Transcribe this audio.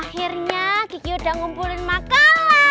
akhirnya gigi udah ngumpulin makan